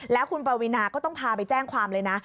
แล้วคุณปวีนาก็ต้องพาไปแจ้งความเลยนะ